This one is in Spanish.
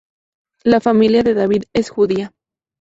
La familia de David es judía.